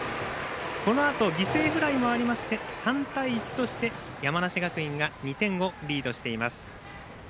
このあと犠牲フライもありまして３対１として、山梨学院が２点をリードしています。